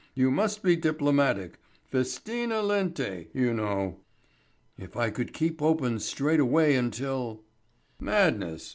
You must be diplomatic; festina lente, you know." "If I could keep open straight away until " "Madness.